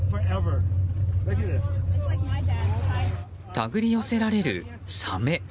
手繰り寄せられるサメ。